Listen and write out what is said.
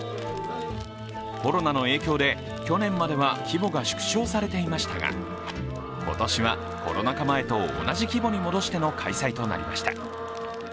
コロナの影響で去年までは規模が縮小されていましたが、今年はコロナ禍前と同じ規模に戻しての開催となりました。